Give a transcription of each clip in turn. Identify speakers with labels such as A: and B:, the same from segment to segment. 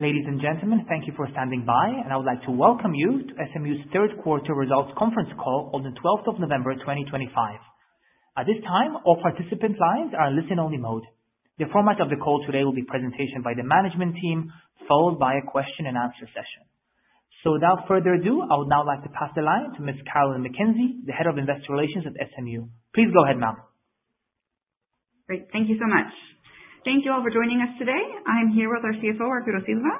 A: Ladies and gentlemen, thank you for standing by, and I would like to welcome you to SMU's third quarter results conference call on the 12th of November, 2025. At this time, all participant lines are in listen-only mode. The format of the call today will be presentation by the management team, followed by a question and answer session. Without further ado, I would now like to pass the line to Ms. Carolyn McKenzie, the Head of Investor Relations at SMU. Please go ahead, ma'am.
B: Great, thank you so much. Thank you all for joining us today. I am here with our CFO, Arturo Silva.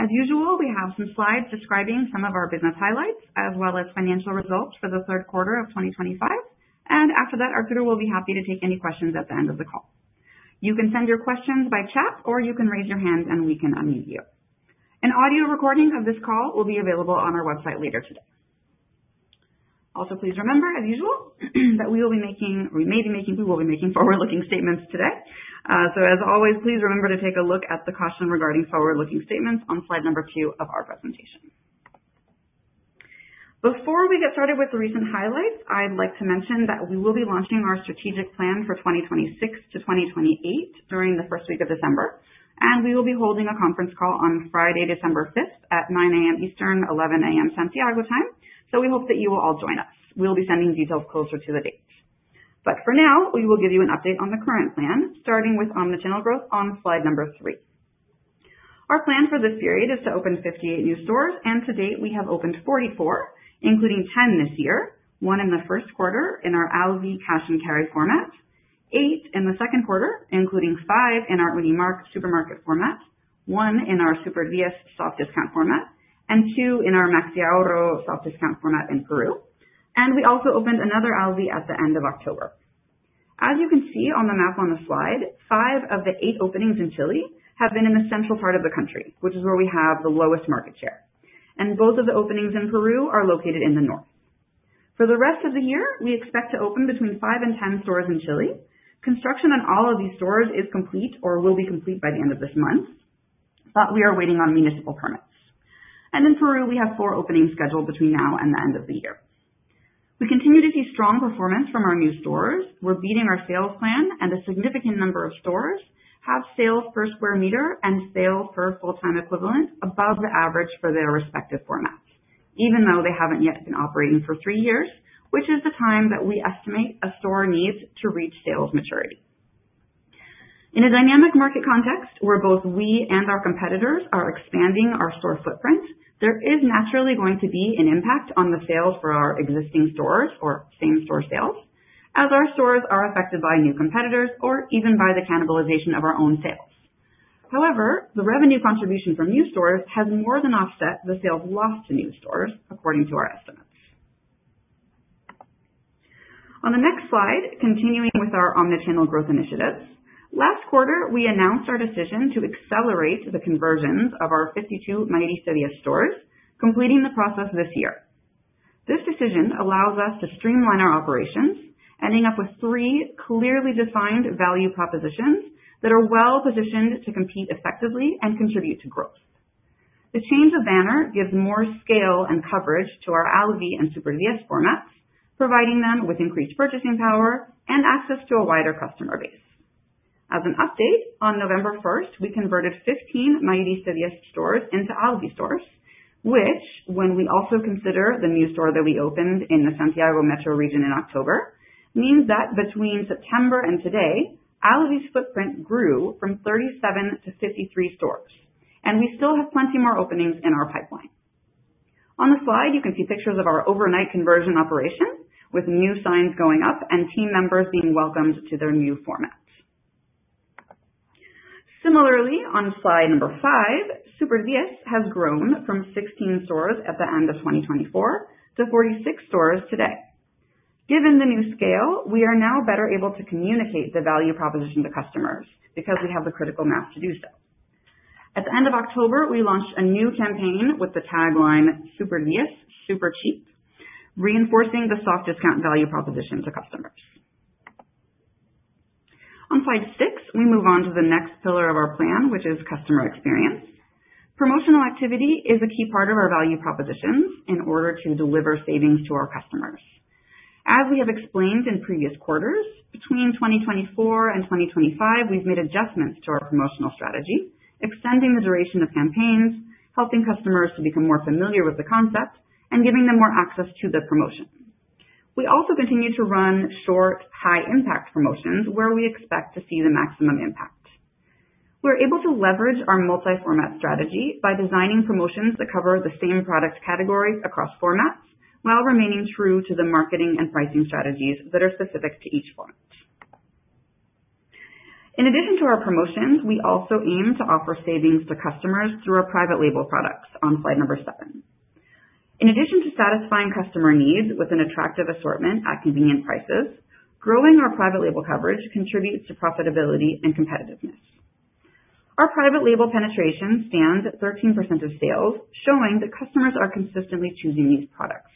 B: As usual, we have some slides describing some of our business highlights as well as financial results for the third quarter of 2025. After that, Arturo will be happy to take any questions at the end of the call. You can send your questions by chat, or you can raise your hand and we can unmute you. An audio recording of this call will be available on our website later today. Also, please remember, as usual, that we will be making forward-looking statements today. As always, please remember to take a look at the caution regarding forward-looking statements on slide number two of our presentation. Before we get started with the recent highlights, I'd like to mention that we will be launching our strategic plan for 2026 to 2028 during the first week of December, and we will be holding a conference call on Friday, December 5th at 9:00 A.M. Eastern, 11:00 A.M. Santiago time. We hope that you will all join us. We'll be sending details closer to the date. For now, we will give you an update on the current plan, starting with omnichannel growth on slide three. Our plan for this period is to open 58 new stores, and to date, we have opened 44, including 10 this year. One in the first quarter in our Alvi Cash & Carry format. Eight in the second quarter, including five in our Unimarc supermarket format, one in our Super10 soft discount format, and two in our Mayorsa soft discount format in Peru. We also opened another Alvi at the end of October. As you can see on the map on the slide, five of the eight openings in Chile have been in the central part of the country, which is where we have the lowest market share, and both of the openings in Peru are located in the north. For the rest of the year, we expect to open between five and 10 stores in Chile. Construction on all of these stores is complete or will be complete by the end of this month, but we are waiting on municipal permits. In Peru, we have four openings scheduled between now and the end of the year. We continue to see strong performance from our new stores. We're beating our sales plan, and a significant number of stores have sales per square metre and sales per full-time equivalent above the average for their respective formats, even though they haven't yet been operating for three years, which is the time that we estimate a store needs to reach sales maturity. In a dynamic market context, where both we and our competitors are expanding our store footprint, there is naturally going to be an impact on the sales for our existing stores or same-store sales as our stores are affected by new competitors or even by the cannibalization of our own sales. However, the revenue contribution from new stores has more than offset the sales lost to new stores, according to our estimates. On the next slide, continuing with our omnichannel growth initiatives. Last quarter, we announced our decision to accelerate the conversions of our 52 Mayorista 10 stores, completing the process this year. This decision allows us to streamline our operations, ending up with three clearly defined value propositions that are well-positioned to compete effectively and contribute to growth. The change of banner gives more scale and coverage to our Alvi and Super10 formats, providing them with increased purchasing power and access to a wider customer base. As an update, on November 1st, we converted 15 Mayorista 10 stores into Alvi stores, which, when we also consider the new store that we opened in the Santiago Metro region in October, means that between September and today, Alvi's footprint grew from 37 to 53 stores, and we still have plenty more openings in our pipeline. On the slide, you can see pictures of our overnight conversion operation, with new signs going up and team members being welcomed to their new format. Similarly, on slide number five, Super10 has grown from 16 stores at the end of 2024 to 46 stores today. Given the new scale, we are now better able to communicate the value proposition to customers because we have the critical mass to do so. At the end of October, we launched a new campaign with the tagline, "Super10, Super Cheap," reinforcing the soft discount value proposition to customers. On slide six, we move on to the next pillar of our plan, which is customer experience. Promotional activity is a key part of our value propositions in order to deliver savings to our customers. As we have explained in previous quarters, between 2024 and 2025, we've made adjustments to our promotional strategy, extending the duration of campaigns, helping customers to become more familiar with the concept and giving them more access to the promotions. We also continue to run short, high-impact promotions where we expect to see the maximum impact. We're able to leverage our multi-format strategy by designing promotions that cover the same product categories across formats while remaining true to the marketing and pricing strategies that are specific to each format. In addition to our promotions, we also aim to offer savings to customers through our private label products on slide seven. In addition to satisfying customer needs with an attractive assortment at convenient prices, growing our private label coverage contributes to profitability and competitiveness. Our private label penetration stands at 13% of sales, showing that customers are consistently choosing these products.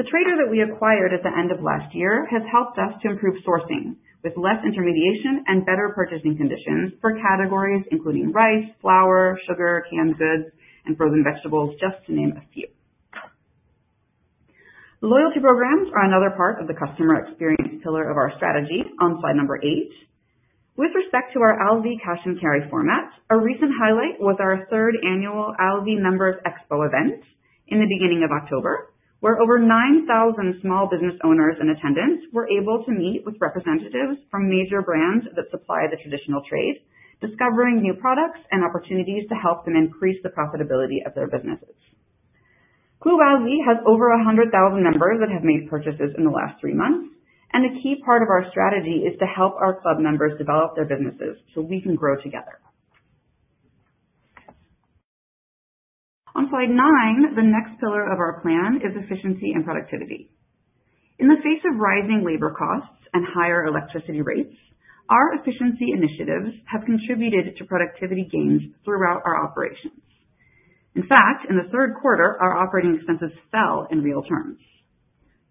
B: The trader that we acquired at the end of last year has helped us to improve sourcing with less intermediation and better purchasing conditions for categories including rice, flour, sugar, canned goods, and frozen vegetables, just to name a few. Loyalty programs are another part of the customer experience pillar of our strategy on slide number eight. With respect to our Alvi cash and carry format, a recent highlight was our third annual Alvi Members Expo event in the beginning of October, where over 9,000 small business owners in attendance were able to meet with representatives from major brands that supply the traditional trades, discovering new products and opportunities to help them increase the profitability of their businesses. Club Alvi has over 100,000 members that have made purchases in the last three months, and a key part of our strategy is to help our club members develop their businesses so we can grow together. On slide nine, the next pillar of our plan is efficiency and productivity. In the face of rising labor costs and higher electricity rates, our efficiency initiatives have contributed to productivity gains throughout our operations. In fact, in the third quarter, our operating expenses fell in real terms.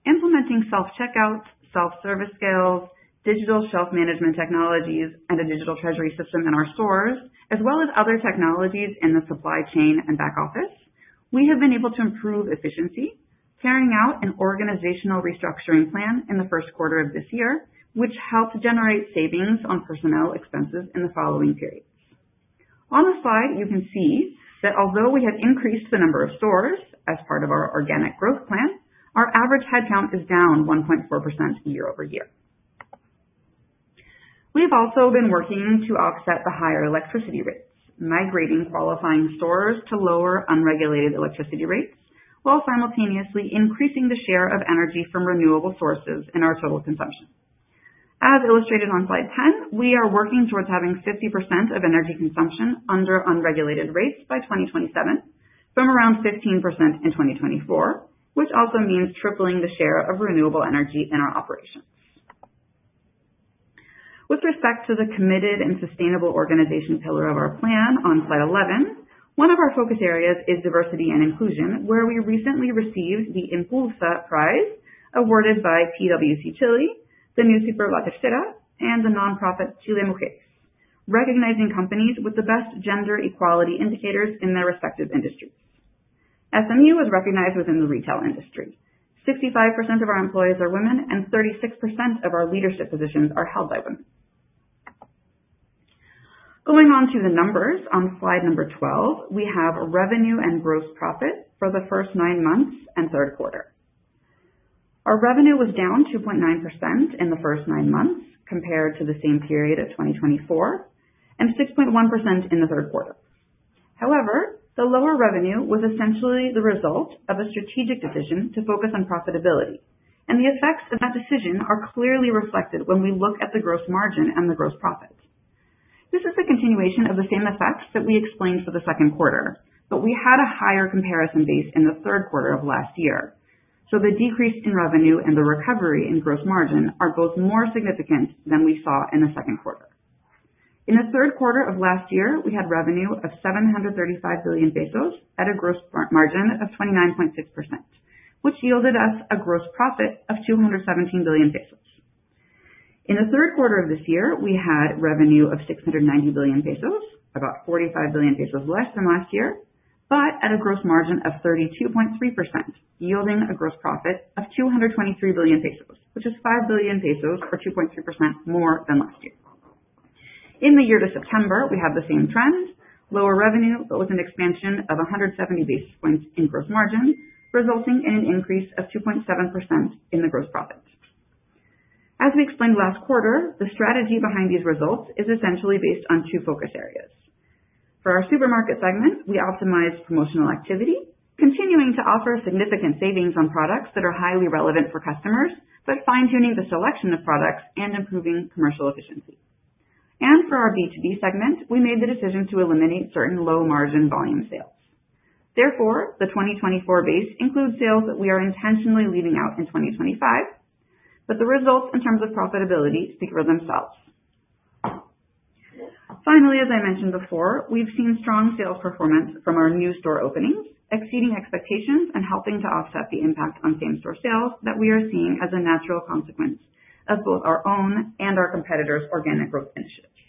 B: Implementing self-checkouts, self-service scales, digital shelf management technologies, and a digital treasury system in our stores, as well as other technologies in the supply chain and back office, we have been able to improve efficiency, carrying out an organizational restructuring plan in the first quarter of this year, which helped generate savings on personnel expenses in the following periods. On the slide, you can see that although we have increased the number of stores as part of our organic growth plan, our average headcount is down 1.4% year-over-year. We have also been working to offset the higher electricity rates, migrating qualifying stores to lower unregulated electricity rates, while simultaneously increasing the share of energy from renewable sources in our total consumption. As illustrated on slide 10, we are working towards having 50% of energy consumption under unregulated rates by 2027 from around 15% in 2024, which also means tripling the share of renewable energy in our operations. With respect to the committed and sustainable organization pillar of our plan on slide 11, one of our focus areas is diversity and inclusion, where we recently received the Impulsa Award awarded by PwC Chile, the newspaper La Tercera, and the nonprofit ChileMujeres, recognizing companies with the best gender equality indicators in their respective industries. SMU was recognized within the retail industry. 65% of our employees are women, and 36% of our leadership positions are held by women. Going on to the numbers on slide 12, we have revenue and gross profit for the first nine months and third quarter. Our revenue was down 2.9% in the first nine months compared to the same period of 2024, and 6.1% in the third quarter. However, the lower revenue was essentially the result of a strategic decision to focus on profitability, and the effects of that decision are clearly reflected when we look at the gross margin and the gross profit. This is a continuation of the same effects that we explained for the second quarter, but we had a higher comparison base in the third quarter of last year. The decrease in revenue and the recovery in gross margin are both more significant than we saw in the second quarter. In the third quarter of last year, we had revenue of 735 billion pesos at a gross margin of 29.6%, which yielded us a gross profit of 217 billion pesos. In the third quarter of this year, we had revenue of 690 billion pesos, about 45 billion pesos less than last year, but at a gross margin of 32.3%, yielding a gross profit of 223 billion pesos, which is 5 billion pesos or 2.3% more than last year. In the year to September, we have the same trend, lower revenue, but with an expansion of 170 basis points in gross margin, resulting in an increase of 2.7% in the gross profit. As we explained last quarter, the strategy behind these results is essentially based on two focus areas. For our supermarket segment, we optimize promotional activity, continuing to offer significant savings on products that are highly relevant for customers, but fine-tuning the selection of products and improving commercial efficiency. For our B2B segment, we made the decision to eliminate certain low margin volume sales. Therefore, the 2024 base includes sales that we are intentionally leaving out in 2025, but the results in terms of profitability speak for themselves. Finally, as I mentioned before, we've seen strong sales performance from our new store openings, exceeding expectations and helping to offset the impact on same-store sales that we are seeing as a natural consequence of both our own and our competitors' organic growth initiatives.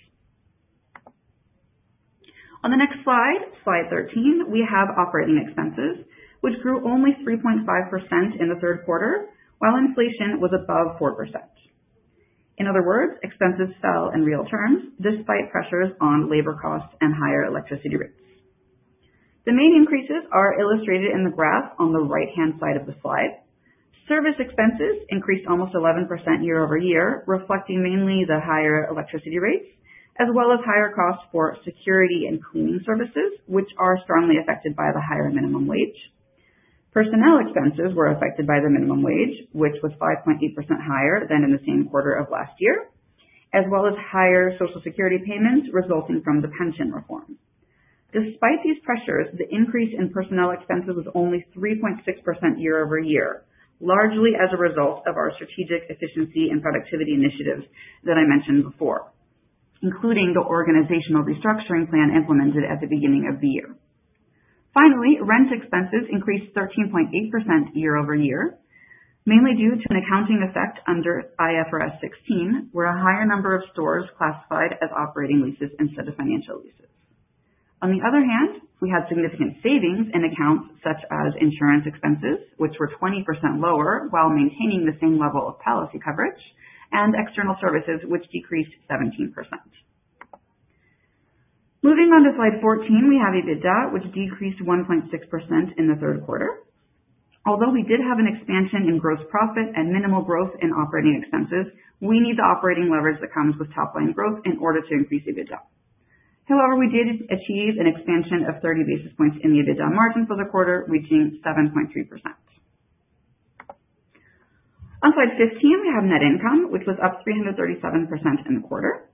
B: On the next slide 13, we have operating expenses, which grew only 3.5% in the third quarter while inflation was above 4%. In other words, expenses fell in real terms despite pressures on labor costs and higher electricity rates. The main increases are illustrated in the graph on the right-hand side of the slide. Service expenses increased almost 11% year-over-year, reflecting mainly the higher electricity rates as well as higher costs for security and cleaning services, which are strongly affected by the higher minimum wage. Personnel expenses were affected by the minimum wage, which was 5.8% higher than in the same quarter of last year, as well as higher Social Security payments resulting from the pension reform. Despite these pressures, the increase in personnel expenses was only 3.6% year-over-year, largely as a result of our strategic efficiency and productivity initiatives that I mentioned before, including the organizational restructuring plan implemented at the beginning of the year. Finally, rent expenses increased 13.8% year-over-year, mainly due to an accounting effect under IFRS 16, where a higher number of stores classified as operating leases instead of financial leases. On the other hand, we had significant savings in accounts such as insurance expenses, which were 20% lower while maintaining the same level of policy coverage and external services, which decreased 17%. Moving on to slide 14, we have EBITDA, which decreased 1.6% in the third quarter. Although we did have an expansion in gross profit and minimal growth in operating expenses, we need the operating leverage that comes with top line growth in order to increase EBITDA. However, we did achieve an expansion of 30 basis points in the EBITDA margin for the quarter, reaching 7.3%. On slide 15, we have net income, which was up 337% in the quarter.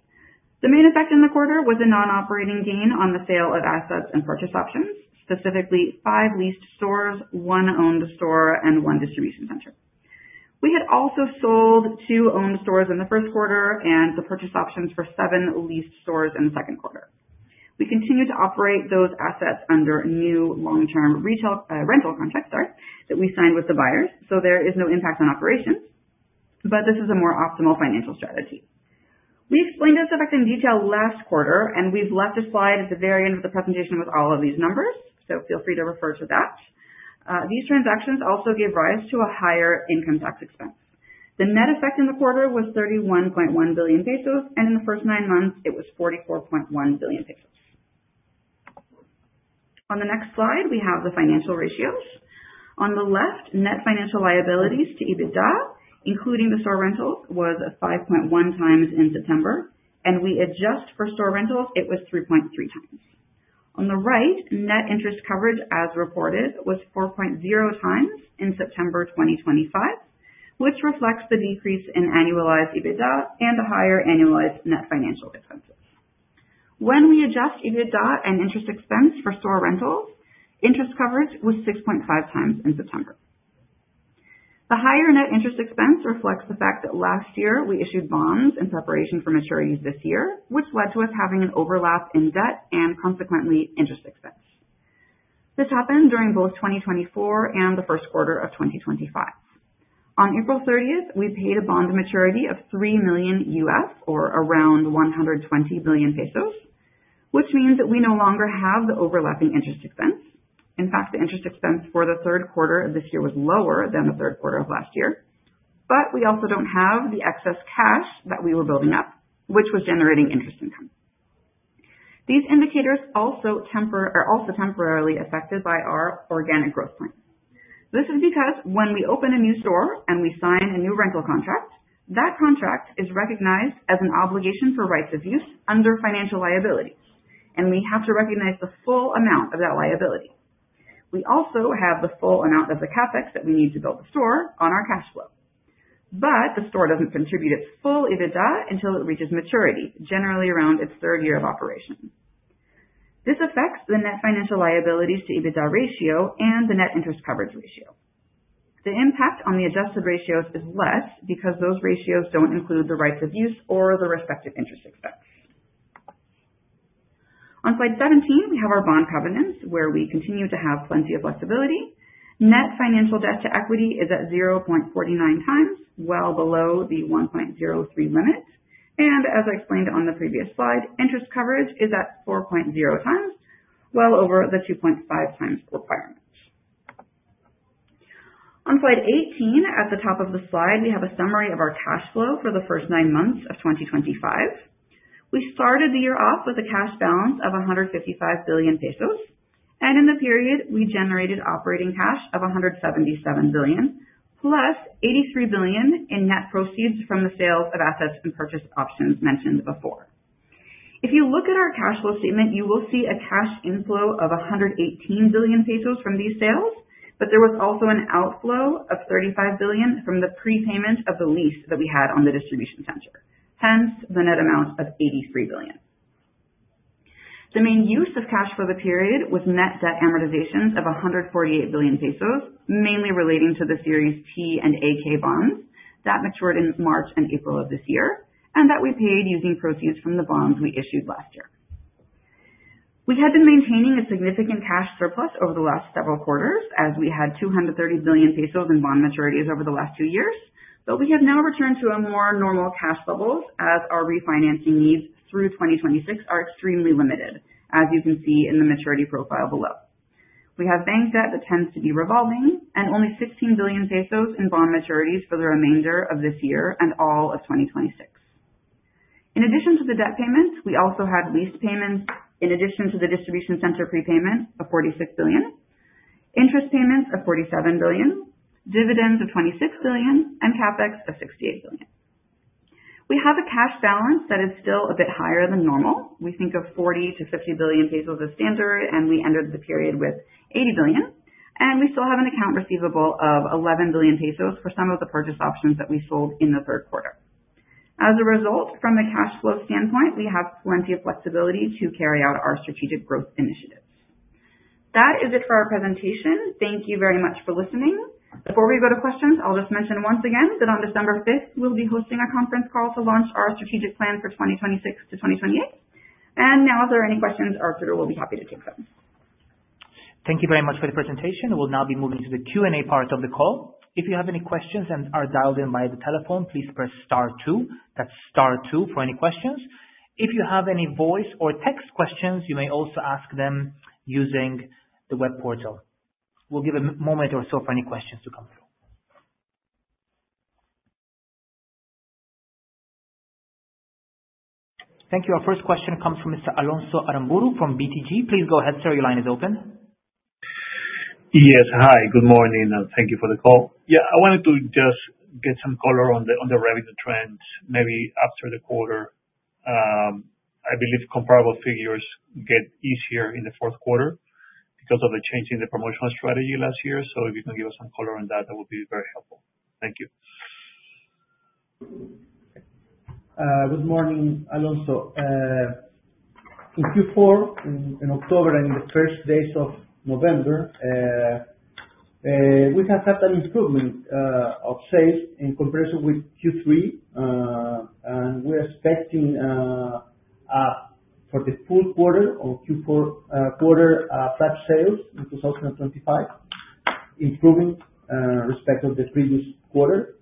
B: The main effect in the quarter was a non-operating gain on the sale of assets and purchase options, specifically five leased stores, one owned store, and one distribution center. We had also sold two owned stores in the first quarter and the purchase options for seven leased stores in the second quarter. We continue to operate those assets under new long-term retail rental contracts that we signed with the buyers so there is no impact on operations, but this is a more optimal financial strategy. We explained this effect in detail last quarter, and we've left a slide at the very end of the presentation with all of these numbers, so feel free to refer to that. These transactions also give rise to a higher income tax expense. The net effect in the quarter was 31.1 billion pesos, and in the first nine months it was 44.1 billion pesos. On the next slide, we have the financial ratios. On the left, net financial liabilities to EBITDA, including the store rentals, was 5.1x in September, and we adjust for store rentals, it was 3.3x. On the right, net interest coverage as reported was 4.0x in September 2025, which reflects the decrease in annualized EBITDA and the higher annualized net financial expenses. When we adjust EBITDA and interest expense for store rentals, interest coverage was 6.5x in September. The higher net interest expense reflects the fact that last year we issued bonds in preparation for maturities this year, which led to us having an overlap in debt and consequently interest expense. This happened during both 2024 and the first quarter of 2025. On April 30, we paid a bond maturity of $3 million, or around 120 billion pesos, which means that we no longer have the overlapping interest expense. In fact, the interest expense for the third quarter of this year was lower than the third quarter of last year. We also don't have the excess cash that we were building up, which was generating interest income. These indicators are also temporarily affected by our organic growth plan. This is because when we open a new store and we sign a new rental contract, that contract is recognized as an obligation for right of use under financial liabilities, and we have to recognize the full amount of that liability. We also have the full amount of the CapEx that we need to build the store on our cash flow. The store doesn't contribute its full EBITDA until it reaches maturity, generally around its third year of operation. This affects the net financial liabilities to EBITDA ratio and the net interest coverage ratio. The impact on the adjusted ratios is less because those ratios don't include the rights of use or the respective interest expense. On slide 17, we have our bond covenants where we continue to have plenty of flexibility. Net financial debt to equity is at 0.49x, well below the 1.03x limit. As I explained on the previous slide, interest coverage is at 4.0x, well over the 2.5x requirement. On slide 18, at the top of the slide, we have a summary of our cash flow for the first nine months of 2025. We started the year off with a cash balance of 155 billion pesos, and in the period we generated operating cash of 177 billion plus 83 billion in net proceeds from the sales of assets and purchase options mentioned before. If you look at our cash flow statement, you will see a cash inflow of 118 billion pesos from these sales, but there was also an outflow of 35 billion from the prepayment of the lease that we had on the distribution center. Hence, the net amount of 83 billion. The main use of cash for the period was net debt amortizations of 148 billion pesos, mainly relating to the Series T and AK bonds that matured in March and April of this year, and that we paid using proceeds from the bonds we issued last year. We had been maintaining a significant cash surplus over the last several quarters as we had 230 billion pesos in bond maturities over the last two years. We have now returned to a more normal cash levels as our refinancing needs through 2026 are extremely limited, as you can see in the maturity profile below. We have bank debt that tends to be revolving and only 16 billion pesos in bond maturities for the remainder of this year and all of 2026. In addition to the debt payments, we also had lease payments in addition to the distribution center prepayment of 46 billion, interest payments of 47 billion, dividends of 26 billion, and CapEx of 68 billion. We have a cash balance that is still a bit higher than normal. We think of 40 billion-50 billion pesos as standard, and we ended the period with 80 billion, and we still have an account receivable of 11 billion pesos for some of the purchase options that we sold in the third quarter. As a result, from a cash flow standpoint, we have plenty of flexibility to carry out our strategic growth initiatives. That is it for our presentation. Thank you very much for listening. Before we go to questions, I'll just mention once again that on December 5th, we'll be hosting a conference call to launch our strategic plan for 2026-2028. Now, if there are any questions, Arturo will be happy to take them.
A: Thank you very much for the presentation. We'll now be moving to the Q&A part of the call. If you have any questions and are dialed in via the telephone, please press star two. That's star two for any questions. If you have any voice or text questions, you may also ask them using the web portal. We'll give a moment or so for any questions to come through. Thank you. Our first question comes from Mr. Alonso Arámburu from BTG. Please go ahead, sir, your line is open.
C: Yes. Hi, good morning, and thank you for the call. Yeah, I wanted to just get some color on the, on the revenue trends, maybe after the quarter. I believe comparable figures get easier in the fourth quarter because of the change in the promotional strategy last year. If you can give us some color on that would be very helpful. Thank you.
D: Good morning, Alonso. In Q4, in October and the first days of November, we have had an improvement of sales in comparison with Q3. We're expecting for the full quarter of Q4 flat sales in 2025, improving with respect to the previous quarter.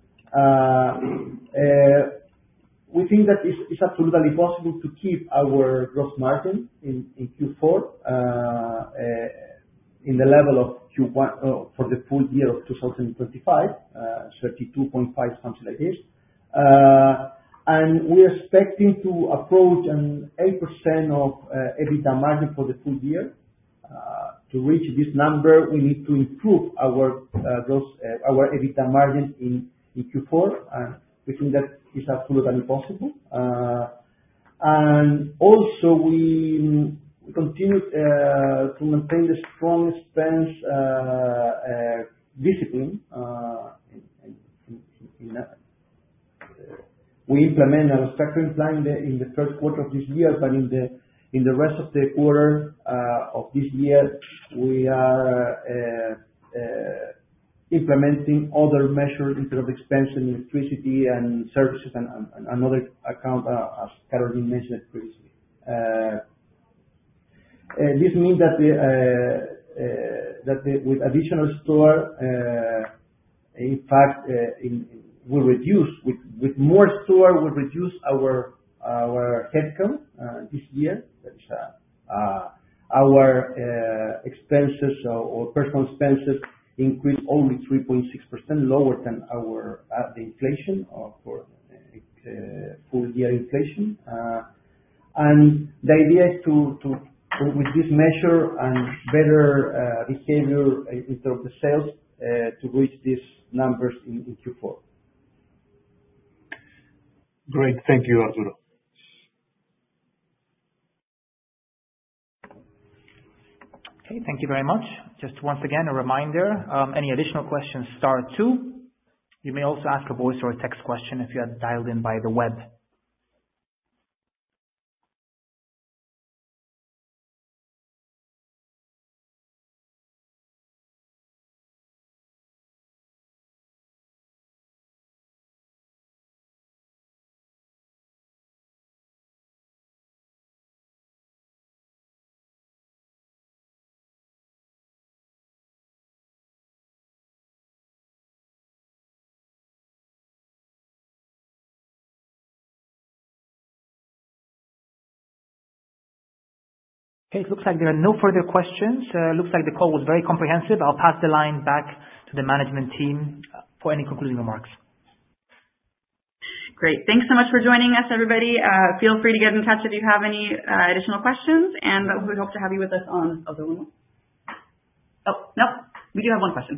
D: We think that it's absolutely possible to keep our gross margin in Q4 in the level of Q1 for the full year of 2025, 32.5%, something like this. We are expecting to approach an 8% EBITDA margin for the full year. To reach this number, we need to improve our EBITDA margin in Q4, and we think that is absolutely possible. We continue to maintain the strong expense discipline in that. We implemented our restructuring plan in the first quarter of this year, but in the rest of the year, we are implementing other measures in terms of expense and electricity and services and other accounts, as Carolyn mentioned previously. This means that, with additional stores, in fact, it will reduce; with more stores, will reduce our headcount this year. Our expenses or personnel expenses increased only 3.6% lower than inflation for full-year inflation. The idea is to with this measure and better behavior in terms of sales to reach these numbers in Q4.
C: Great. Thank you, Arturo.
A: Okay, thank you very much. Just once again, a reminder, any additional questions star two. You may also ask a voice or a text question if you have dialed in by the web. Okay, it looks like there are no further questions. It looks like the call was very comprehensive. I'll pass the line back to the management team, for any concluding remarks.
B: Great. Thanks so much for joining us everybody. Feel free to get in touch if you have any additional questions, and we hope to have you with us on other ones. We do have one question.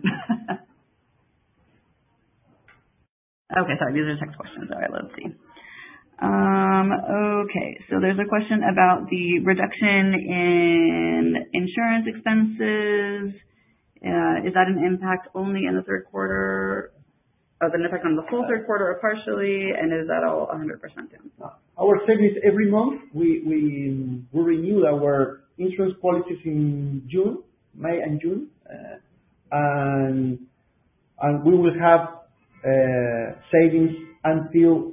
B: Sorry, these are text questions. Let's see. So there's a question about the reduction in insurance expenses. Is that an impact only in the third quarter? Or has an effect on the full third quarter or partially? And is that all 100% down.
D: Our savings every month, we renew our insurance policies in May and June. We will have savings until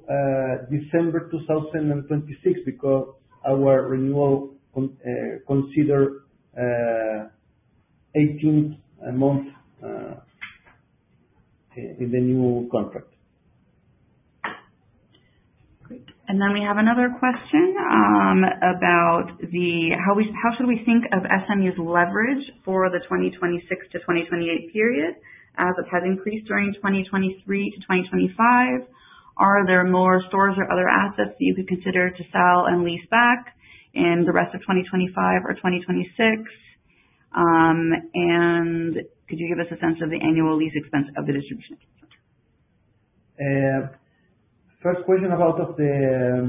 D: December 2026 because our renewal considers 18 months in the new contract.
B: Great. We have another question about how should we think of SMU's leverage for the 2026 to 2028 period as it has increased during 2023 to 2025. Are there more stores or other assets that you could consider to sell and lease back in the rest of 2025 or 2026? Could you give us a sense of the annual lease expense of the distribution center?
D: First question about the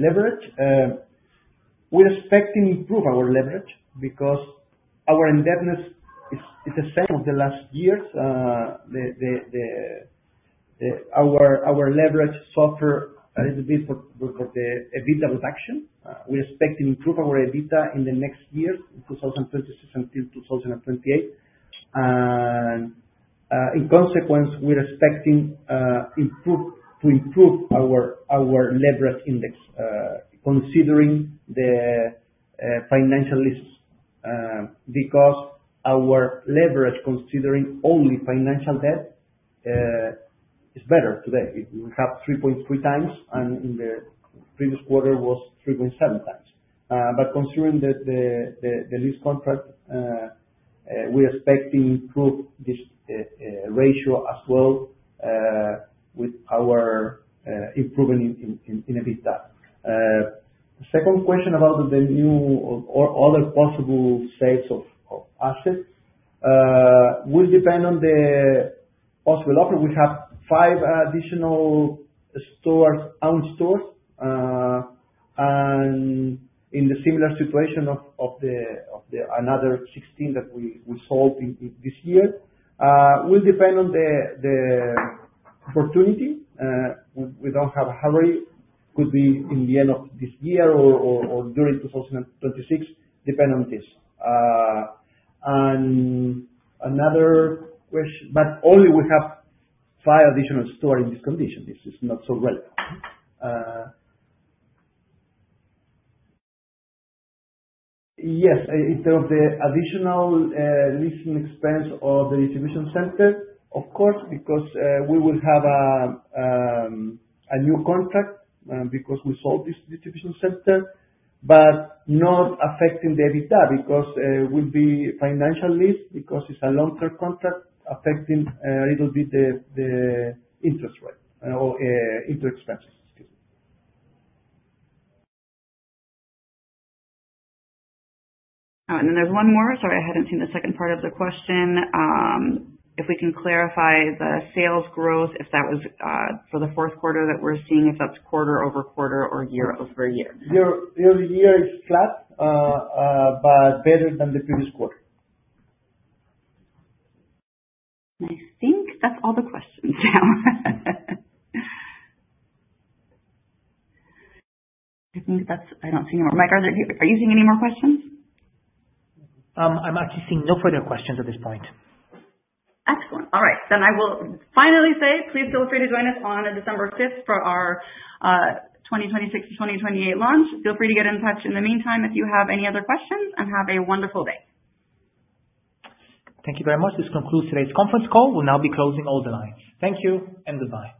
D: leverage. We're expecting to improve our leverage because our indebtedness is the same as the last years. Our leverage suffers a little bit from the EBITDA reduction. We expect to improve our EBITDA in the next years, 2026 until 2028. In consequence, we're expecting to improve our leverage index considering the financial lease because our leverage, considering only financial debt, is better today. We have 3.3x, and in the previous quarter was 3.7x. Considering the lease contract, we're expecting to improve this ratio as well with our improvement in EBITDA. Second question about the new or other possible sales of assets. Will depend on the possible offer. We have five additional stores, owned stores, and in the similar situation of the other 16 that we sold in this year. Will depend on the opportunity. We don't have a hurry. Could be in the end of this year or during 2026, depend on this. But only we have five additional stores in this condition. This is not so big. Yes, in terms of additional leasing expense or the distribution center, of course. Because we will have a new contract because we sold this distribution center. Not affecting the EBITDA because it will be a finance lease because it's a long-term contract affecting a little bit the interest rate or interest expenses. Excuse me.
B: Then there's one more. Sorry, I hadn't seen the second part of the question. If we can clarify the sales growth, if that was for the fourth quarter that we're seeing, if that's quarter-over-quarter or year-over-year.
D: Year is flat, but better than the previous quarter.
B: I think that's all the questions now. I don't see any more. Mike, are you seeing any more questions?
A: I'm actually seeing no further questions at this point.
B: Excellent. All right. I will finally say please feel free to join us on December 5th for our 2026-2028 launch. Feel free to get in touch in the meantime if you have any other questions. Have a wonderful day.
A: Thank you very much. This concludes today's conference call. We'll now be closing all the lines. Thank you and goodbye.